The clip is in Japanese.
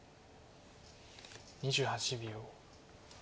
２８秒。